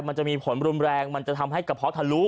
มันจะมีผลรุนแรงมันจะทำให้กระเพาะทะลุ